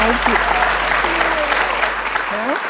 โอ้โหไอ้จิ๊บ